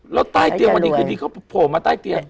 แล้วใต้เตียงวันนี้คือดีเขาโผล่มาใต้เตียง